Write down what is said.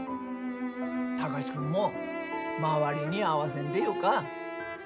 貴司君も、周りに合わせんでよか。